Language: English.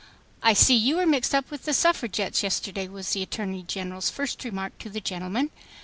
"I see you were mixed up with the suffragettes yesterday," was the Attorney General's first remark to the gentleman.